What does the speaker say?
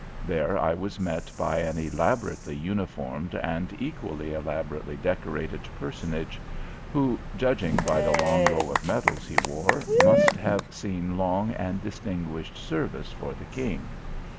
There I was met by an elaborately uniformed and equally elaborately decorated personage, who, judging by the long row of medals he wore, must have seen long and distinguished service for the King.